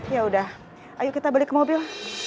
yaudah ayo kita balik ke mobil